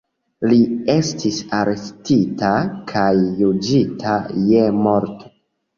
Li estis arestita kaj juĝita je morto.